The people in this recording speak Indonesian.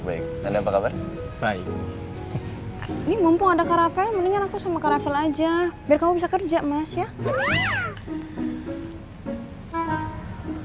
biar kamu bisa kerja mas ya